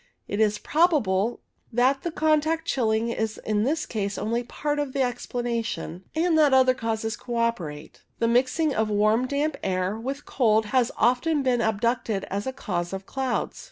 It is probable that the contact chilling is in this case only part of the ex planation, and that other causes co operate. The mixing of warm damp air with cold has often been adduced as a cause of clouds.